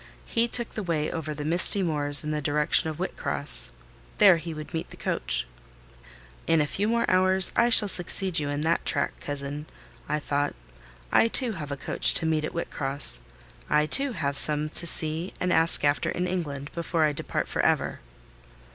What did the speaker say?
He took the way over the misty moors in the direction of Whitcross—there he would meet the coach. "In a few more hours I shall succeed you in that track, cousin," thought I: "I too have a coach to meet at Whitcross. I too have some to see and ask after in England, before I depart for ever."